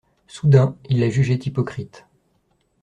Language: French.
Soudain il la jugeait hypocrite.